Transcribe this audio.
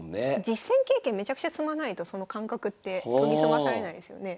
実戦経験めちゃくちゃ積まないとその感覚って研ぎ澄まされないですよね。